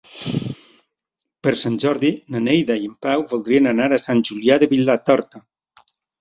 Per Sant Jordi na Neida i en Pau voldrien anar a Sant Julià de Vilatorta.